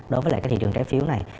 đối với thị trường trái phiếu này